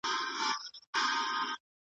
ولي زیارکښ کس د ذهین سړي په پرتله برخلیک بدلوي؟